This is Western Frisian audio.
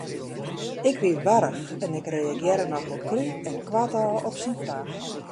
Ik wie warch en ik reagearre nochal krú en koartôf op syn fraach.